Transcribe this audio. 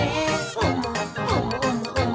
「おもおもおも！